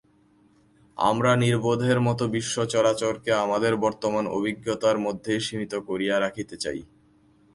আমরা নির্বোধের মত বিশ্ব চরাচরকে আমাদের বর্তমান অভিজ্ঞতার মধ্যেই সীমিত করিয়া রাখিতে চাই।